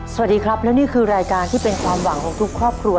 สวัสดีครับและนี่คือรายการที่เป็นความหวังของทุกครอบครัว